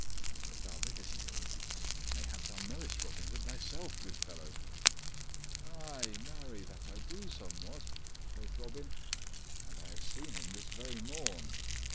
But thou livest hereabouts, mayhap thou knowest Robin Hood thyself, good fellow." "Ay, marry, that I do somewhat," quoth Robin, "and I have seen him this very morn.